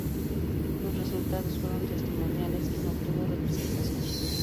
Sus resultados fueron testimoniales y no obtuvo representación.